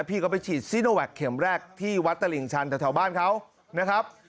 พี่ก็ไปฉีดซีโนแวคเข็มแรกที่วัดตลิ่งชันแถวบ้านเขานะครับ